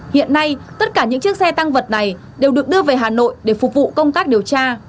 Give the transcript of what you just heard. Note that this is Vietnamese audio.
hiện nay tất cả những chiếc xe tăng vật này đều được đưa về hà nội để phục vụ công tác điều tra